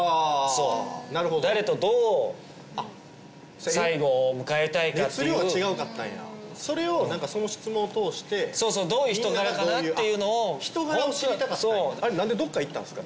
そう誰とどう最後を迎えたいかっていう熱量違うかったんやそれを何かその質問を通してそうそうどういう人柄かなっていうのを人柄を知りたかったんやあれ何でどっか行ったんすか？